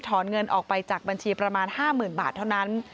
เงินออกไปจากบัญชีประมาณ๕๐๐๐บาทเท่านั้น